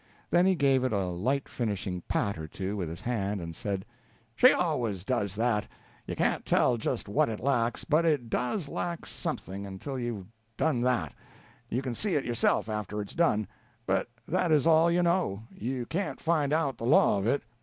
Then he gave it a light finishing pat or two with his hand, and said: "She always does that. You can't tell just what it lacks, but it does lack something until you've done that you can see it yourself after it's done, but that is all you know; you can't find out the law of it.